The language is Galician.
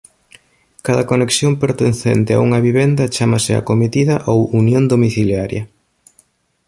Cada conexión pertencente a unha vivenda chámase "acometida" ou "unión domiciliaria".